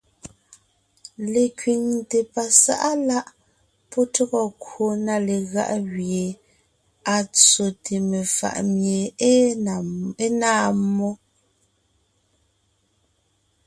Lekẅiŋte pasáʼa láʼ pɔ́ tÿɔgɔ kwò na legáʼ gẅie à tsóte mefàʼ mie é náa mmó,